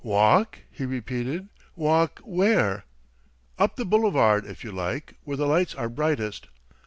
"Walk?" he repeated, "walk where?" "Up the boulevard, if you like where the lights are brightest."